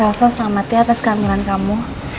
elsa selamati atas kehamilan kamu